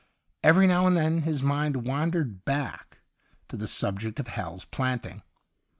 Every now and then his mind wandered back to the subject of Hal's Planting.